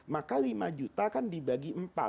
maka lima juta kan dibagi empat